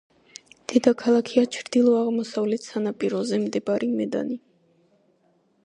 დედაქალაქია ჩრდილო–აღმოსავლეთ სანაპიროზე მდებარე მედანი.